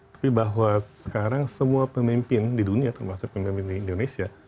tapi bahwa sekarang semua pemimpin di dunia termasuk pemimpin di indonesia